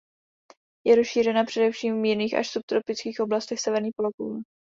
Je rozšířena především v mírných až subtropických oblastech severní polokoule.